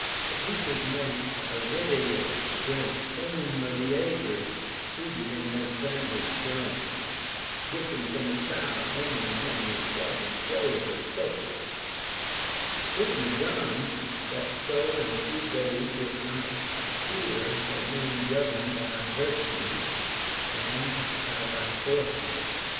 But who could make Aridaeus great, whom Meleager seated in Alexander's throne, differing from a child only in having his sAvaddling clothes of purple ] Prudently done, that so in a few days it might appear how men govern by virtue, and how by fortune.